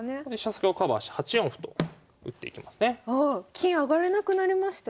金上がれなくなりましたよ。